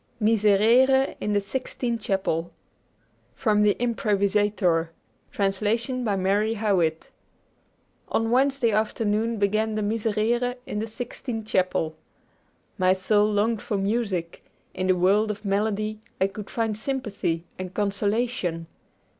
'MISERERE' IN THE SIXTINE CHAPEL From 'The Improvisatore': Translation by Mary Howitt On Wednesday afternoon began the Miserere in the Sixtine Chapel. My soul longed for music; in the world of melody I could find sympathy and consolation.